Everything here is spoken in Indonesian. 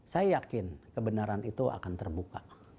saya yakin kebenaran itu akan terbuka